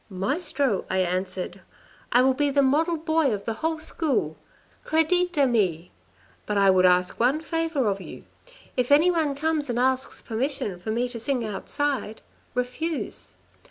"' Maestro,' I answered, ' I will be the model boy of the whole school, credete a me, but I would ask one favour of you. If anyone comes and asks permission for me to sing outside, refuse.